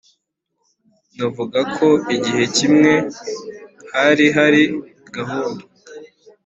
nkavuga ko igihe kimwe hari hari gahunda